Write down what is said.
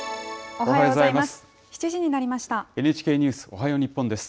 おはようございます。